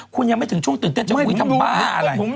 คุณยังไม่ถึงช่วงเตือนเตล้อนจะคุยทั้งบ้าอะไร